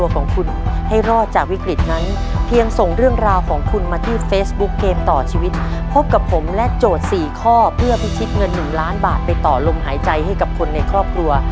เกมต่อชีวิตพบกับผมและโจทย์๔ข้อเพื่อพิชิตเงิน๑ล้านบาทไปต่อลมหายใจให้กับคนในครอบครัว